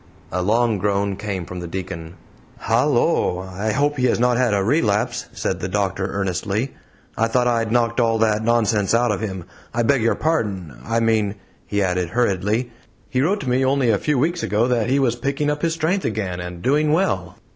A long groan came from the deacon. "Hallo! I hope he has not had a relapse," said the doctor, earnestly. "I thought I'd knocked all that nonsense out of him I beg your pardon I mean," he added, hurriedly, "he wrote to me only a few weeks ago that he was picking up his strength again and doing well!"